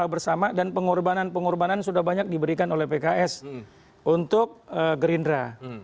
bersama dan pengorbanan pengorbanan sudah banyak diberikan oleh pks untuk gerindra